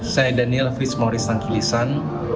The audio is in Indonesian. saya daniel fismauris tangkilisan